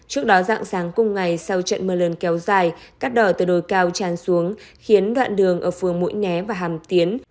trước đó dạng sáng cùng ngày sau trận mưa lớn kéo dài cát đỏ từ đồi cao tràn xuống khiến đoạn đường ở phường mũi né và hàm tiến